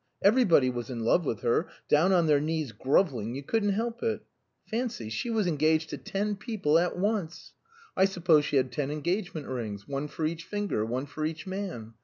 Everybody was in love with her down on their knees groveling, you couldn't help it. Fancy, she was engaged to ten people at once! I suppose she had ten engagement rings one for each finger, one for each man.